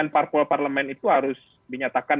parpol parlemen itu harus dinyatakan